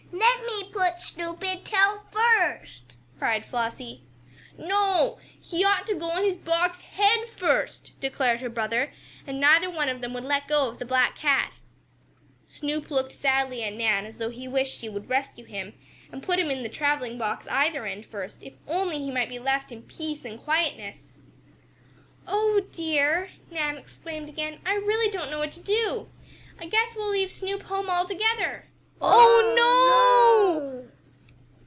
"Let me put Snoop in tail first!" cried Flossie. "No, he ought to go in his box head first!" declared her brother, and neither one of them would let go of the black cat. Snoop looked sadly at Nan, as though he wished she would rescue him, and put him in the traveling box either end first, if only he might be left in peace and quietness. "Oh, dear!" Nan exclaimed again. "I really don't know what to do! I guess we'll leave Snoop home altogether!" "Oh, no!"